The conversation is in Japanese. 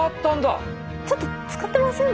ちょっとつかってません？